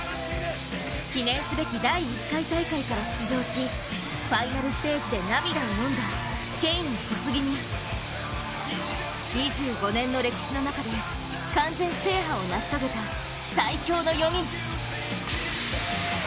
記念すべき第１回大会から出場しファイナルステージで涙をのんだケイン・コスギに２５年の歴史の中で完全制覇を成し遂げた最強の４人。